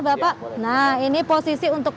bapak nah ini posisi untuk